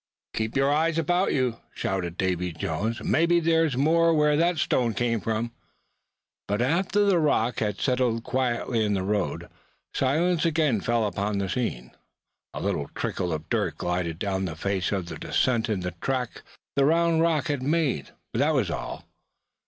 "KEEP your eyes about you!" shouted Davy Jones; "mebbe there's more where that stone came from!" But after the rock had settled quietly in the road, silence again fell upon the scene; a little trickle of dirt glided down the face of the descent, in the track the round rock had made; but that was all.